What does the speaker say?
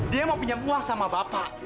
dia mau pinjam uang sama bapak